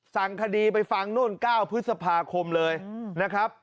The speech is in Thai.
สั่งคดีไปฟังนู่น๙พฤษภาคมเลยนะครับ